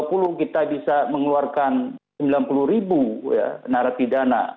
kalau p dua puluh kita bisa mengeluarkan rp sembilan puluh ya narasi dana